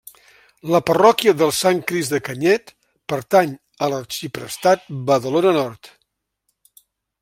La parròquia del Sant Crist de Canyet pertany a l'arxiprestat Badalona Nord.